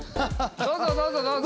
どうぞどうぞどうぞ。